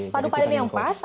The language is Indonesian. padu padu yang pas